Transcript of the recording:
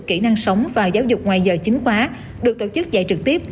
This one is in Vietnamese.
kỹ năng sống và giáo dục ngoài giờ chính khóa được tổ chức dạy trực tiếp